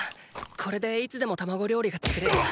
これでいつでも卵料理が作れるな。